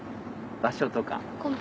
場所とか。